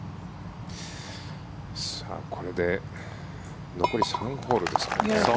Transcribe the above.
さあ、これで残り３ホールですからね。